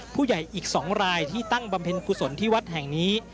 ผู้ใหญ่อีก๒รายที่ตั้งบำเพ็ญกุศลที่วัดแห่งนี้